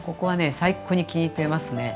最高に気に入っていますね。